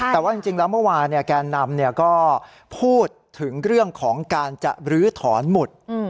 แต่ว่าจริงแล้วเมื่อวานแกนนำก็พูดถึงเรื่องของการจะลื้อถอนหมุด